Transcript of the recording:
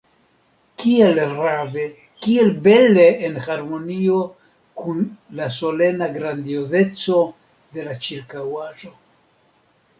Kiel rave, kiel bele en harmonio kun la solena grandiozeco de la ĉirkaŭaĵo!